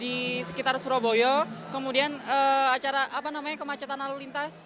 di sekitar surabaya kemudian acara kemacetan lalu lintas